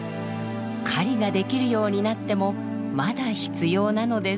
狩りができるようになってもまだ必要なのです。